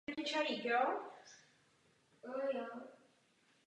V této otázce tedy musíme pokročit.